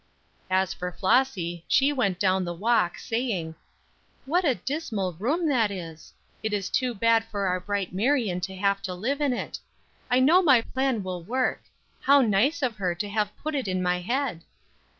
As for Flossy, she went down the walk, saying: "What a dismal room that is? It is too bad for our bright Marion to have to live in it, I know my plan will work. How nice of her to have put it in my head!